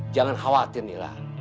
jangan khawatir nila